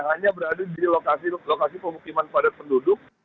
hanya berada di lokasi lokasi pemukiman padat penduduk